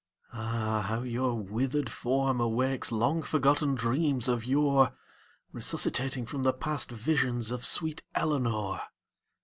Ah, how your withered form awakes Long forgotten dreams of yore Resuscitating from the past Visions of sweet Eleanor!